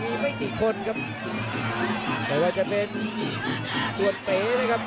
มีไม่กี่คนครับแต่ว่าจะเป็นตัวเป๋นะครับ